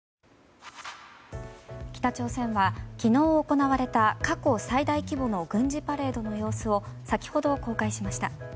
ＪＴ北朝鮮は昨日行われた過去最大規模の軍事パレードの様子を先ほど公開しました。